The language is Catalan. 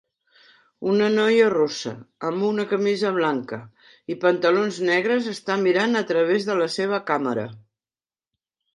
Una noia rossa en una camisa blanca i pantalons negres està mirant a través de la seva càmera.